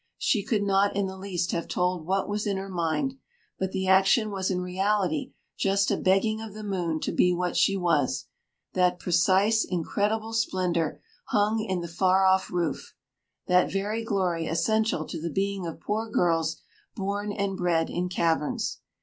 She could not in the least have told what was in her mind, but the action was in reality just a begging of the moon to be what she was that precise incredible splendor hung in the far off roof, that very glory essential to the being of poor girls born and bred in caverns.